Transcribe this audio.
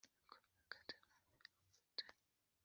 Muzavuze impanda ukwezi kubonetse